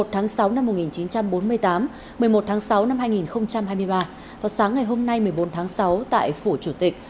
một mươi tháng sáu năm một nghìn chín trăm bốn mươi tám một mươi một tháng sáu năm hai nghìn hai mươi ba vào sáng ngày hôm nay một mươi bốn tháng sáu tại phủ chủ tịch